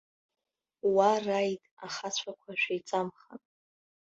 Уа, раид, ахацәақәа, шәеиҵамхан!